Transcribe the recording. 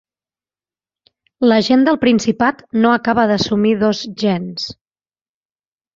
La gent del principat no acaba d'assumir dos gens.